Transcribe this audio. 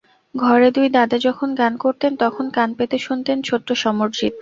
ঘরে দুই দাদা যখন গান করতেন, তখন কান পেতে শুনতেন ছোট্ট সমরজিৎ।